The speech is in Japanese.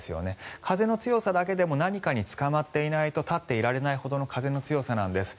風の強さだけでも何かにつかまっていないと立っていられないほどの風の強さなんです。